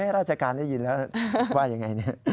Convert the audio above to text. ราชการได้ยินแล้วว่ายังไงเนี่ย